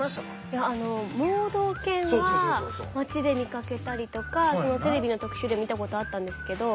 いや盲導犬は街で見かけたりとかテレビの特集で見たことあったんですけど